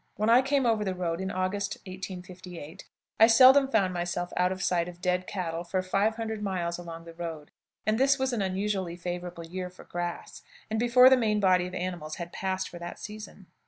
When I came over the road in August, 1858, I seldom found myself out of sight of dead cattle for 500 miles along the road, and this was an unusually favorable year for grass, and before the main body of animals had passed for that season.